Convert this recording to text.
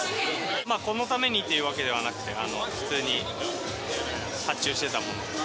まあ、このためにというわけではなく、普通に発注していたもの。